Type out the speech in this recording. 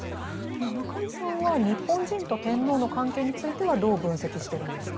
中井さんは日本人と天皇の関係についてはどう分析してるんですか？